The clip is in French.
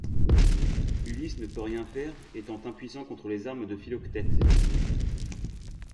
Ulysse ne peut rien faire, étant impuissant contre les armes de Philoctète.